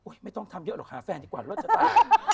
ไม่ต้องทำเยอะหรอกหาแฟนดีกว่ารถจะตาย